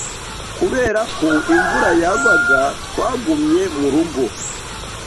Kubera ko imvura yagwaga, twagumye murugo.